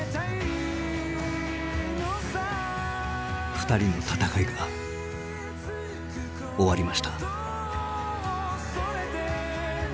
２人の闘いが終わりました。